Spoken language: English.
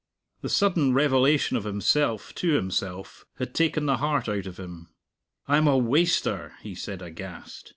The sudden revelation of himself to himself had taken the heart out of him. "I'm a waster!" he said aghast.